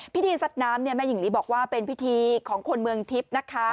ซัดน้ำแม่หญิงลีบอกว่าเป็นพิธีของคนเมืองทิพย์นะคะ